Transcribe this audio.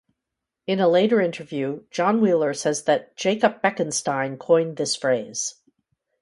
In a later interview, John Wheeler says that Jacob Bekenstein coined this phrase.